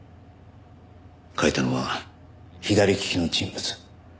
書いたのは左利きの人物。